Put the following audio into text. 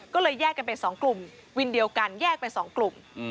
ก็เลยแยกกันเป็น๒กลุ่มวินเดียวกันแยกเป็น๒กลุ่ม